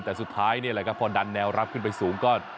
แต่สุดท้ายนี่แหละครับพอดันแนวรับขึ้นไปสูงก็